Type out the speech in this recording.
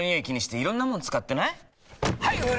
気にしていろんなもの使ってない？